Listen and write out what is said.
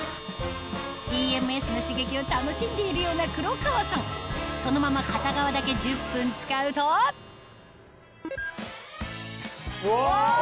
ＥＭＳの刺激を楽しんでいるような黒川さんそのまま片側だけ１０分使うとうわ！